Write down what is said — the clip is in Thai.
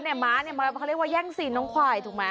ม้าเนี่ยเขาเรียกว่าแย่งซีนน้องควายถูกไหม